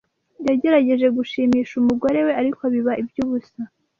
Yagerageje gushimisha umugore we, ariko biba iby'ubusa.